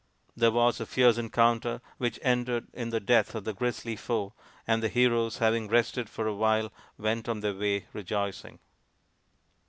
There was a fierce encounter which ended in the death of the grisly foe, and the heroes having rested for a while went on their way rejoicing.